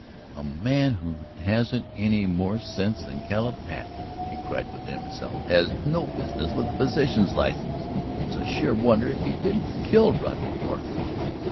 "A man who hasn't any more sense than Caleb Patten," she cried within herself, "has no business with a physician's license. It's a sheer wonder he didn't kill Roderick Norton!"